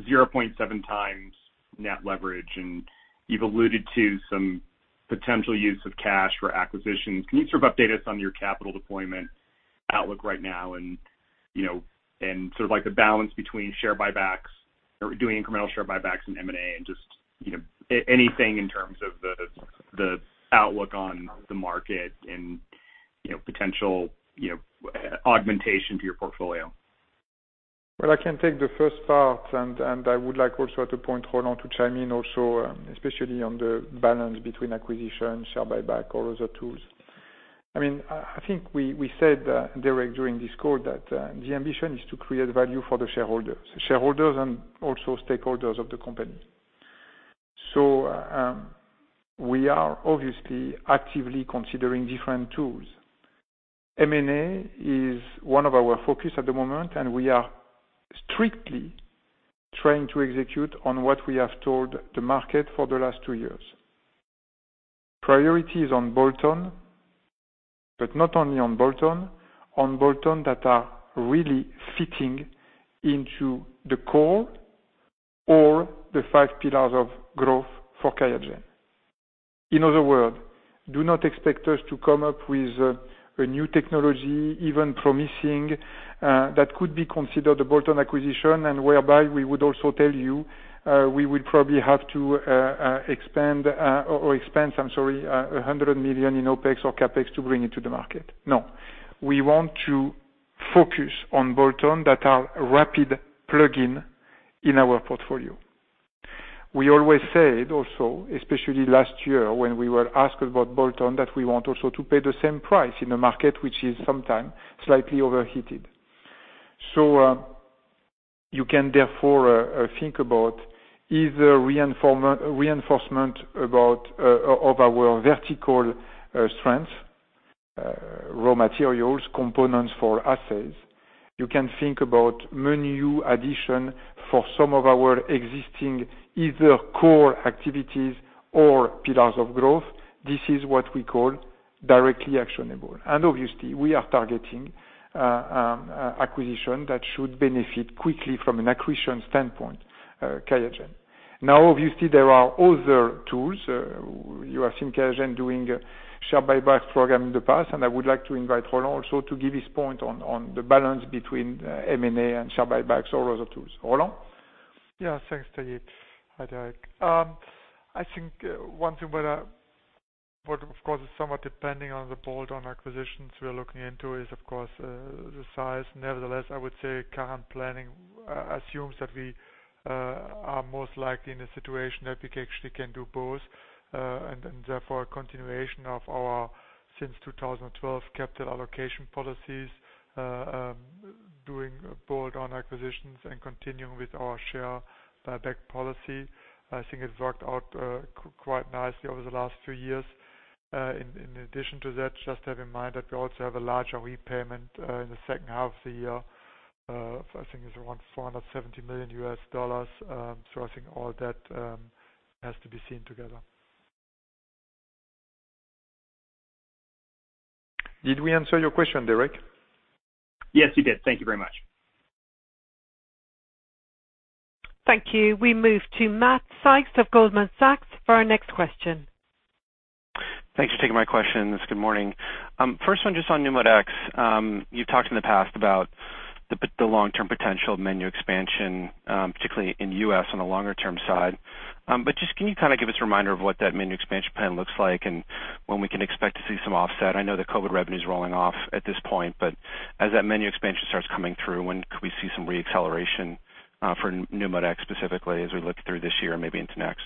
0.7 times net leverage, and you've alluded to some potential use of cash for acquisitions. Can you sort of update us on your capital deployment outlook right now and, you know, and sort of like the balance between share buybacks or doing incremental share buybacks and M&A and just, you know, anything in terms of the outlook on the market and, you know, potential, you know, augmentation to your portfolio? Well, I can take the first part and I would like also to point Roland to chime in also, especially on the balance between acquisition, share buyback or other tools. I mean, I think we said, Derik, during this call that the ambition is to create value for the shareholders. Shareholders and also stakeholders of the company. We are obviously actively considering different tools. M&A is one of our focus at the moment, and we are strictly trying to execute on what we have told the market for the last two years. Priority is on bolt-on, but not only on bolt-on, on bolt-on that are really fitting into the core or the five pillars of growth for QIAGEN. In other words, do not expect us to come up with a new technology, even promising, that could be considered a bolt-on acquisition, and whereby we would also tell you we would probably have to expend, I'm sorry, $100 million in OpEx or CapEx to bring it to the market. No, we want to focus on bolt-on that are rapid plug-in in our portfolio. We always said also, especially last year when we were asked about bolt-on, that we want also to pay the same price in a market which is sometimes slightly overheated. You can therefore think about either reinforcement of our vertical strength, raw materials, components for assays. You can think about menu addition for some of our existing either core activities or pillars of growth. This is what we call directly actionable. Obviously, we are targeting acquisition that should benefit quickly from an acquisition standpoint, QIAGEN. Now, obviously, there are other tools. You have QIAGEN doing a share buyback program in the past, and I would like to invite Roland also to give his point on the balance between M&A and share buybacks or other tools. Roland? Yeah, thanks, Thierry. Hi, Derik. I think one thing, of course, is somewhat depending on the bolt-on acquisitions we are looking into, of course, the size. Nevertheless, I would say current planning assumes that we are most likely in a situation that we actually can do both. Therefore a continuation of our since 2012 capital allocation policies, doing bolt-on acquisitions and continuing with our share buyback policy. I think it worked out quite nicely over the last two years. In addition to that, just have in mind that we also have a larger repayment in the second half of the year. I think it's around $470 million, so I think all that has to be seen together. Did we answer your question, Derik? Yes, you did. Thank you very much. Thank you. We move to Matt Sykes of Goldman Sachs for our next question. Thanks for taking my questions. Good morning. First one just on NeuMoDx. You've talked in the past about the long-term potential menu expansion, particularly in the U.S. on the longer term side. Just can you kind of give us a reminder of what that menu expansion plan looks like and when we can expect to see some offset? I know the COVID revenue is rolling off at this point, but as that menu expansion starts coming through, when could we see some re-acceleration for NeuMoDx specifically as we look through this year and maybe into next?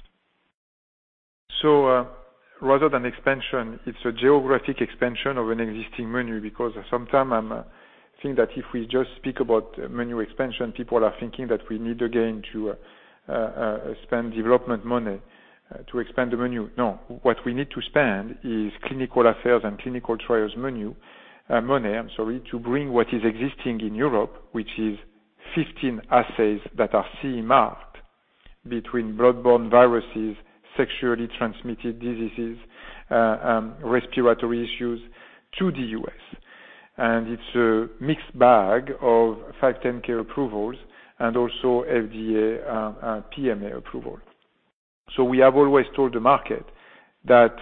Rather than expansion, it's a geographic expansion of an existing menu because sometimes I think that if we just speak about menu expansion, people are thinking that we need again to spend development money to expand the menu. No. What we need to spend is clinical affairs and clinical trials money, I'm sorry, to bring what is existing in Europe, which is 15 assays that are CE marked between blood-borne viruses, sexually transmitted diseases, respiratory issues to the U.S.. It's a mixed bag of 510(k) approvals and also FDA PMA approval. We have always told the market that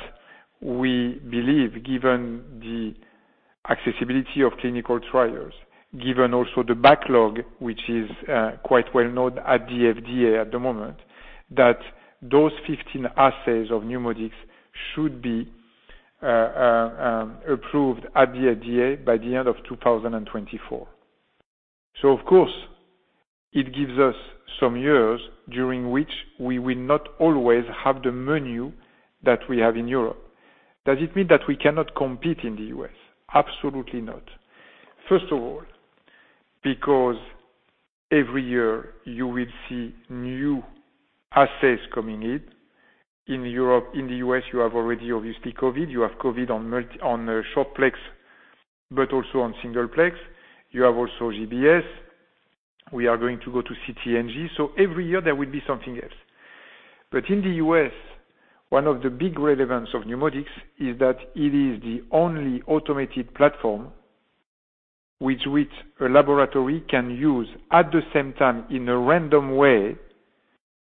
we believe, given the accessibility of clinical trials, given also the backlog, which is quite well known at the FDA at the moment, that those 15 assays of NeuMoDx should be approved at the FDA by the end of 2024. Of course, it gives us some years during which we will not always have the menu that we have in Europe. Does it mean that we cannot compete in the U.S.? Absolutely not. First of all, because every year you will see new assays coming in. In the U.S., you have already obviously COVID. You have COVID on short plex, but also on single plex. You have also GBS. We are going to go to CT/NG. Every year there will be something else. In the U.S., one of the big relevance of NeuMoDx is that it is the only automated platform with which a laboratory can use at the same time in a random way,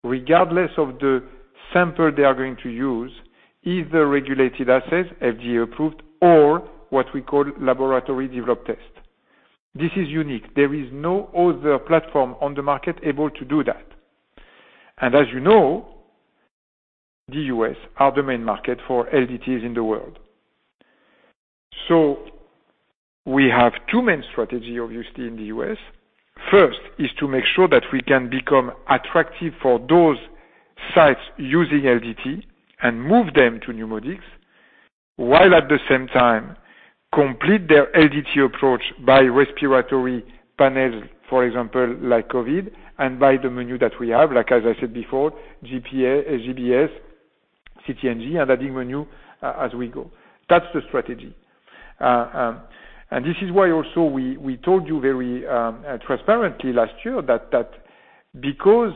regardless of the sample they are going to use, either regulated assays, FDA approved, or what we call laboratory developed test. This is unique. There is no other platform on the market able to do that. As you know, the U.S. are the main market for LDTs in the world. We have two main strategy, obviously, in the U.S. First is to make sure that we can become attractive for those sites using LDT and move them to NeuMoDx, while at the same time complement their LDT approach by respiratory panels, for example, like COVID, and by the menu that we have, like as I said before, GPA, GBS, CT/NG, and adding menu as we go. That's the strategy. This is why also we told you very transparently last year that because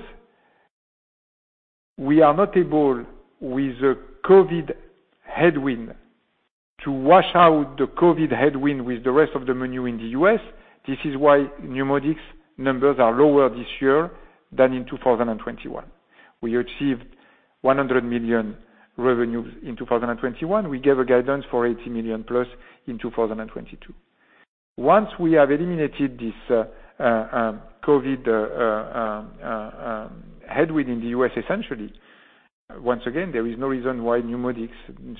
we are not able with the COVID headwind to wash out the COVID headwind with the rest of the menu in the U.S., this is why NeuMoDx numbers are lower this year than in 2021. We achieved $100 million revenues in 2021. We gave a guidance for $80+ million in 2022. Once we have eliminated this COVID headwind in the U.S., essentially, once again, there is no reason why NeuMoDx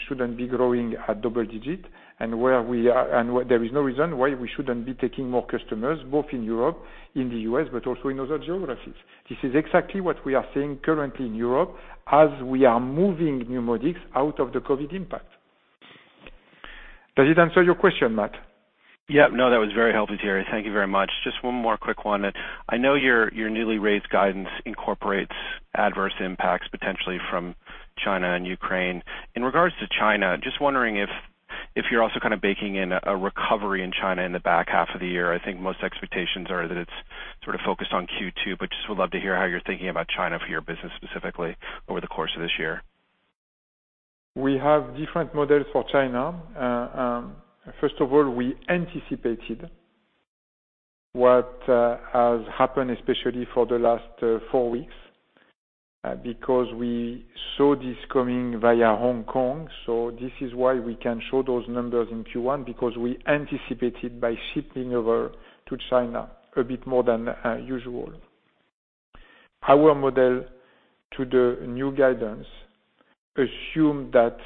shouldn't be growing at double-digit and there is no reason why we shouldn't be taking more customers both in Europe, in the U.S., but also in other geographies. This is exactly what we are seeing currently in Europe as we are moving NeuMoDx out of the COVID impact. Does it answer your question, Matt? Yeah. No, that was very helpful, Thierry. Thank you very much. Just one more quick one. I know your newly raised guidance incorporates adverse impacts potentially from China and Ukraine. In regards to China, just wondering if you're also kind of baking in a recovery in China in the back half of the year. I think most expectations are that it's sort of focused on Q2, but just would love to hear how you're thinking about China for your business specifically over the course of this year. We have different models for China. First of all, we anticipated what has happened especially for the last four weeks, because we saw this coming via Hong Kong, so this is why we can show those numbers in Q1 because we anticipated by shifting over to China a bit more than usual. Our model for the new guidance assumes that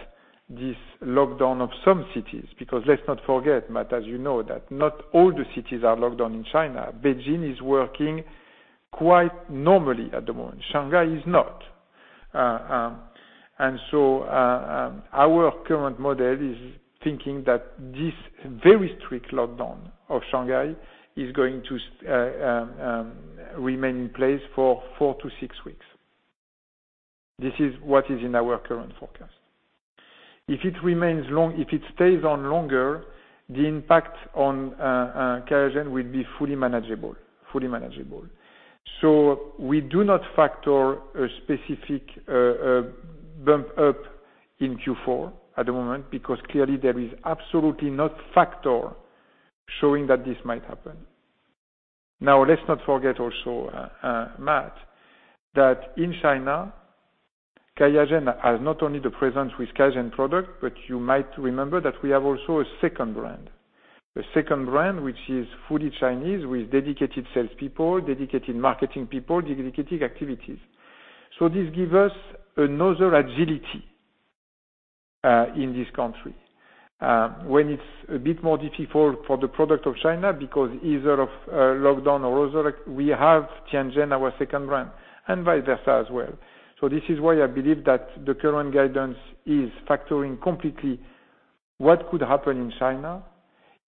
this lockdown of some cities, because let's not forget, Matt, as you know, that not all the cities are locked down in China. Beijing is working quite normally at the moment. Shanghai is not. Our current model is thinking that this very strict lockdown of Shanghai is going to remain in place for four weeks-six weeks. This is what is in our current forecast. If it stays on longer, the impact on QIAGEN will be fully manageable. We do not factor a specific bump up in Q4 at the moment because clearly there is absolutely no factor showing that this might happen. Now, let's not forget also, Matt, that in China, QIAGEN has not only the presence with QIAGEN product, but you might remember that we have also a second brand. A second brand which is fully Chinese with dedicated salespeople, dedicated marketing people, dedicated activities. This give us another agility in this country. When it's a bit more difficult for the product of China because either of lockdown or other, we have QIAGEN, our second brand, and vice versa as well. This is why I believe that the current guidance is factoring completely what could happen in China.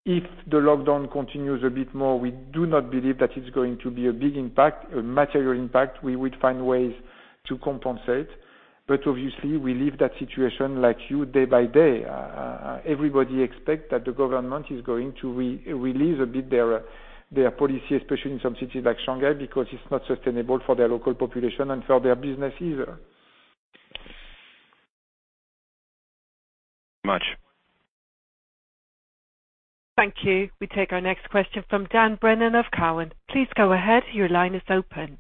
If the lockdown continues a bit more, we do not believe that it's going to be a big impact, a material impact. We would find ways to compensate. But obviously, we leave that situation, like you, day by day. Everybody expect that the government is going to re-release a bit their policy, especially in some cities like Shanghai, because it's not sustainable for their local population and for their business either. Much. Thank you. We take our next question from Dan Brennan of Cowen. Please go ahead. Your line is open.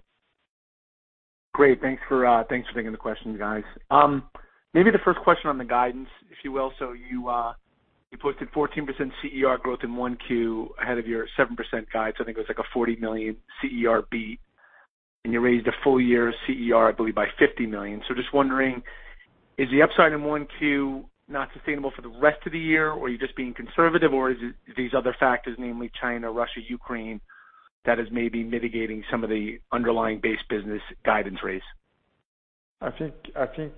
Great. Thanks for taking the question, guys. Maybe the first question on the guidance, if you will. You posted 14% CER growth in 1Q ahead of your 7% guide. I think it was like a $40 million CER beat. You raised a full year CER, I believe, by $50 million. Just wondering, is the upside in 1Q not sustainable for the rest of the year, or are you just being conservative, or is it these other factors, namely China, Russia, Ukraine, that is maybe mitigating some of the underlying base business guidance raise? I think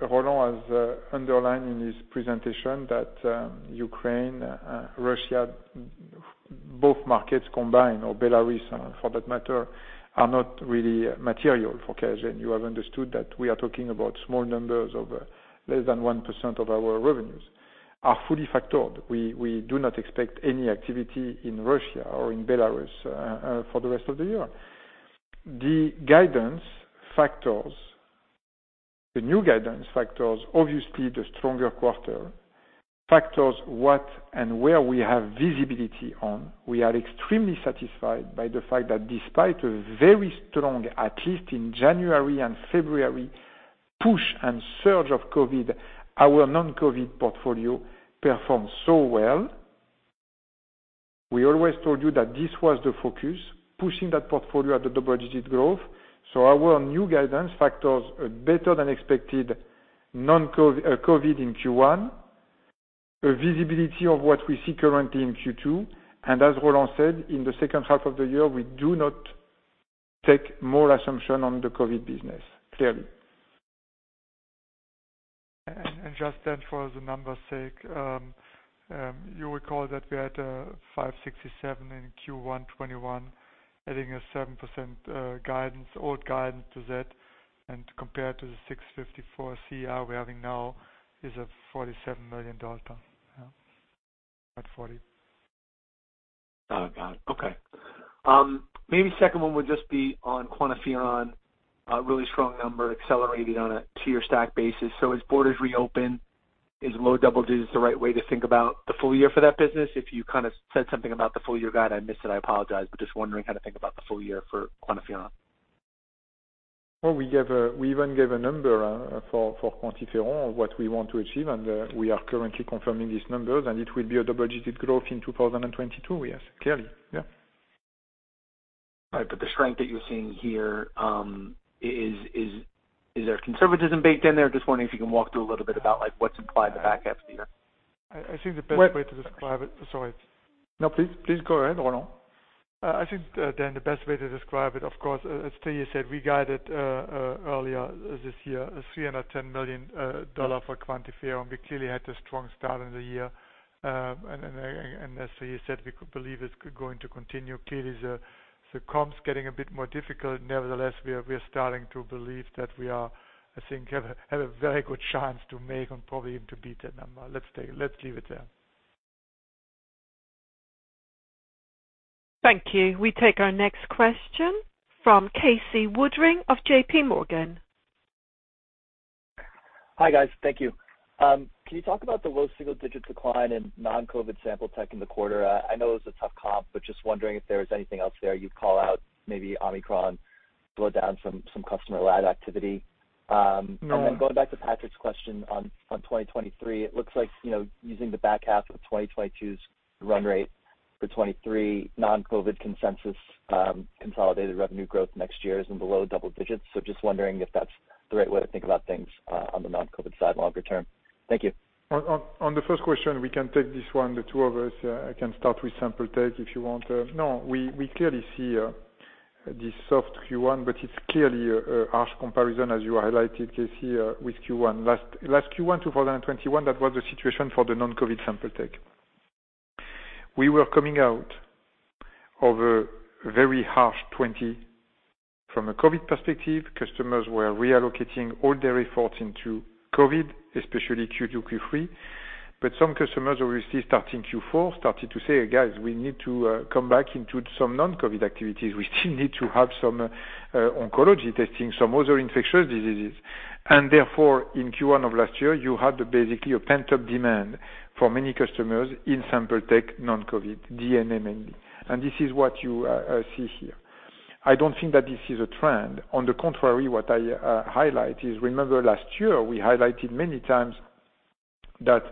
Roland has underlined in his presentation that Ukraine, Russia, both markets combined, or Belarus for that matter, are not really material for QIAGEN. You have understood that we are talking about small numbers of less than 1% of our revenues are fully factored. We do not expect any activity in Russia or in Belarus for the rest of the year. The new guidance factors obviously the stronger quarter factors in what and where we have visibility on. We are extremely satisfied by the fact that despite a very strong, at least in January and February, push and surge of COVID, our non-COVID portfolio performed so well. We always told you that this was the focus, pushing that portfolio at the double-digit growth. Our new guidance factors are better than expected non-COVID in Q1, a visibility of what we see currently in Q2. As Roland said, in the second half of the year, we do not take more assumption on the COVID business, clearly. Just then for the number's sake, you recall that we had 567 in Q1 2021, adding a 7% guidance, old guidance to that, and compared to the 654 CR we're having now is a $47 million at 40. Oh, God. Okay. Maybe second one would just be on QuantiFERON, really strong number accelerating on a year-over-year basis. As borders reopen, is low double digits the right way to think about the full year for that business? If you kinda said something about the full year guide, I missed it, I apologize, but just wondering how to think about the full year for QuantiFERON. Well, we even gave a number for QuantiFERON, what we want to achieve, and we are currently confirming these numbers, and it will be a double-digit growth in 2022, yes. Clearly, yeah. Right. The strength that you're seeing here, is there conservatism baked in there? Just wondering if you can walk through a little bit about, like, what's implied in the backups here. I think the best way to describe it. Sorry. No, please. Please go ahead, Roland. I think, Dan, the best way to describe it, of course, as Thierry said, we guided earlier this year $310 million for QuantiFERON. We clearly had a strong start in the year. As Thierry said, we do believe it's going to continue. Clearly, the comps getting a bit more difficult. Nevertheless, we are starting to believe that we, I think, have a very good chance to make and probably even to beat that number. Let's leave it there. Thank you. We take our next question from Casey Woodring of JP Morgan. Hi, guys. Thank you. Can you talk about the low single-digit decline in non-COVID sample tech in the quarter? I know it was a tough comp, but just wondering if there was anything else there you'd call out, maybe Omicron slowed down some customer lab activity. No. Going back to Patrick's question on 2023, it looks like, you know, using the back half of 2022's run rate for 2023 non-COVID consensus, consolidated revenue growth next year is in the low double digits%. Just wondering if that's the right way to think about things, on the non-COVID side longer term. Thank you. On the first question, we can take this one, the two of us. I can start with sample tech if you want. No, we clearly see the soft Q1, but it's clearly a harsh comparison, as you highlighted, Casey, with Q1. Last Q1 2021, that was the situation for the non-COVID sample tech. We were coming out of a very harsh 2020 from a COVID perspective. Customers were reallocating all their efforts into COVID, especially Q2, Q3. Some customers obviously starting Q4, started to say, "Guys, we need to come back into some non-COVID activities. We still need to have some oncology testing, some other infectious diseases." Therefore, in Q1 of last year, you had basically a pent-up demand for many customers in sample tech non-COVID, DNA mainly. This is what you see here. I don't think that this is a trend. On the contrary, what I highlight is, remember last year we highlighted many times that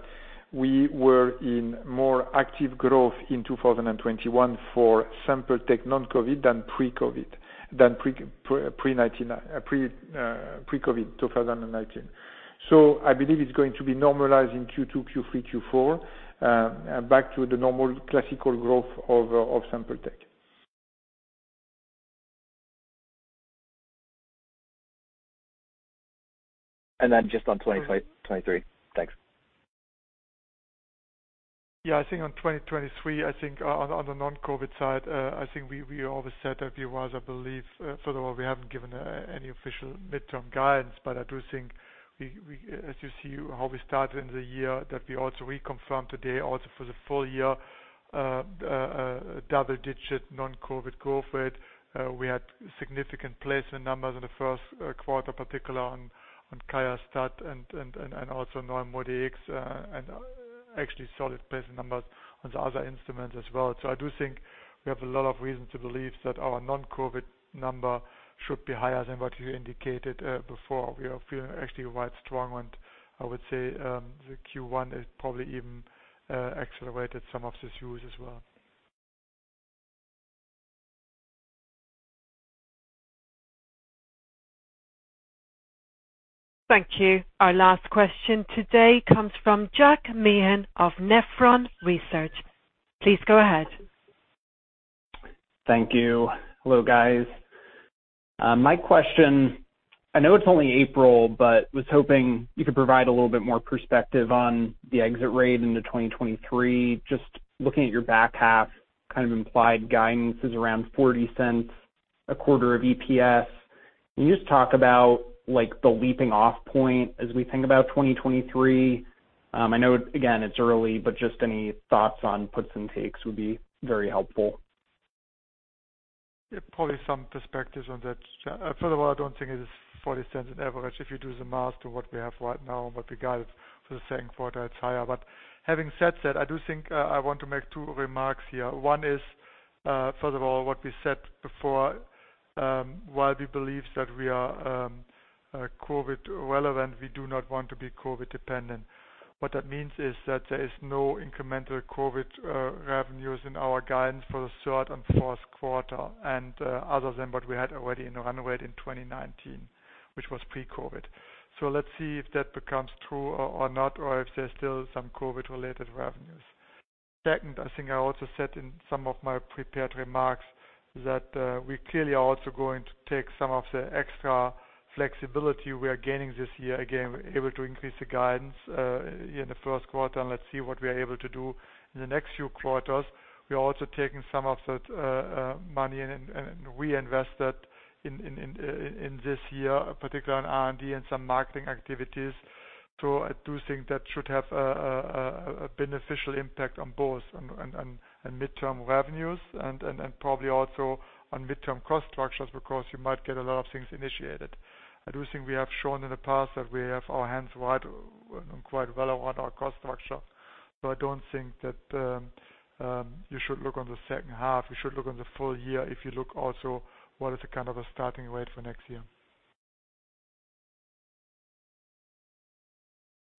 we were in more active growth in 2021 for sample tech non-COVID than pre-COVID 2019. I believe it's going to be normalizing Q2, Q3, Q4, back to the normal classical growth of sample tech. Just on 2023. Thanks. Yeah. I think on 2023, I think on the non-COVID side, I think we always said a few words, I believe. First of all, we haven't given any official midterm guidance, but I do think we, as you see how we started in the year, that we also reconfirm today also for the full year, double-digit non-COVID growth rate. We had significant placement numbers in the first quarter, particularly on QIAstat and also NeuMoDx, and actually solid placement numbers on the other instruments as well. So I do think we have a lot of reasons to believe that our non-COVID number should be higher than what you indicated before. We are feeling actually quite strong. I would say the Q1 is probably even accelerated some of this use as well. Thank you. Our last question today comes from Jack Meehan of Nephron Research. Please go ahead. Thank you. Hello, guys. My question, I know it's only April, but was hoping you could provide a little bit more perspective on the exit rate into 2023. Just looking at your back half, kind of implied guidance is around $0.40 a quarter of EPS. Can you just talk about, like, the jumping-off point as we think about 2023? I know, again, it's early, but just any thoughts on puts and takes would be very helpful. Yeah, probably some perspectives on that. First of all, I don't think it is $0.40 on average. If you do the math to what we have right now and what we got for the second quarter, it's higher. Having said that, I do think I want to make two remarks here. One is, first of all, what we said before, while we believe that we are COVID relevant, we do not want to be COVID dependent. What that means is that there is no incremental COVID revenues in our guidance for the third and fourth quarter and other than what we had already in the run rate in 2019, which was pre-COVID. Let's see if that becomes true or not or if there's still some COVID-related revenues. Second, I think I also said in some of my prepared remarks that we clearly are also going to take some of the extra flexibility we are gaining this year. Again, we're able to increase the guidance in the first quarter, and let's see what we are able to do in the next few quarters. We are also taking some of that money and reinvest that in this year, particularly in R&D and some marketing activities. I do think that should have a beneficial impact on both midterm revenues and probably also on midterm cost structures, because you might get a lot of things initiated. I do think we have shown in the past that we have our hands wide quite well on our cost structure. I don't think that you should look on the second half. You should look on the full year if you look also what is the kind of a starting rate for next year.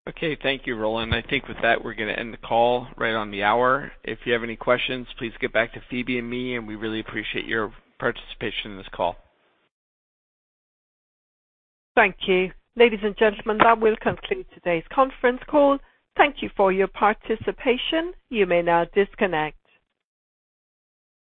Okay. Thank you, Roland. I think with that, we're gonna end the call right on the hour. If you have any questions, please get back to Phoebe and me, and we really appreciate your participation in this call. Thank you. Ladies and gentlemen, that will conclude today's conference call. Thank you for your participation. You may now disconnect.